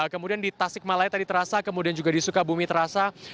kemudian di tasik malaya tadi terasa kemudian juga di sukabumi terasa